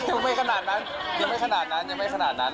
ก็ไม่ขนาดนั้นยังไม่ขนาดนั้นยังไม่ขนาดนั้น